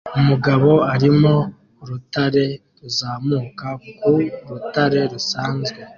Umugabo arimo urutare ruzamuka ku rutare rusanzwe